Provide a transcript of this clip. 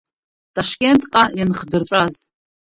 Ташкентҟа ианхдырҵәаз…